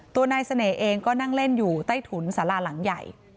ตัวนายเสน่ห์เองก็นั่งเล่นอยู่ใต้ถุนสาราหลังใหญ่